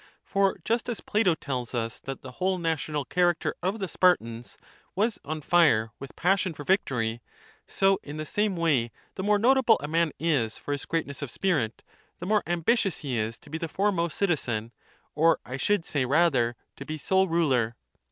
For just as Plato tells us that the whole national character of the Spartans was on fire with passion for victory^ so, in the same way, the more notable a man is for his greatness of spirit, the more ambitious he is to be the foremost citizen, or, I should say rather, to be sole ruler.